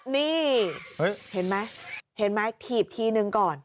นี่เห็นไหมถีบทีนึงก่อน